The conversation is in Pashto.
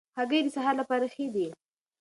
هګۍ د سهار لپاره ښې دي.